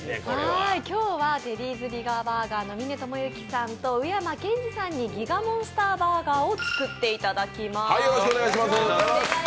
今日はテディーズビガーバーガーの岑知幸さんと宇山賢治さんにギガモンスターバーガーを作っていただきます。